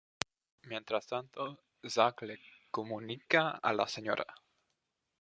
Mientras tanto, Zach le comunica a la Sra.